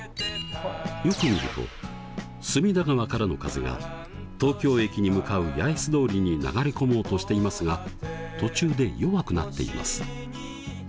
よく見ると隅田川からの風が東京駅に向かう八重洲通りに流れ込もうとしていますが途中で弱くなっています。